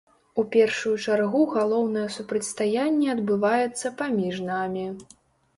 У першую чаргу галоўнае супрацьстаянне адбываецца паміж намі.